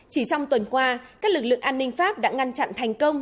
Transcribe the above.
chỉ trong tuần qua các lực lượng an ninh pháp đã ngăn chặn thành công